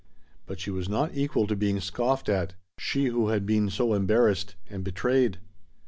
But she was not equal to being scoffed at, she who had been so embarrassed and betrayed.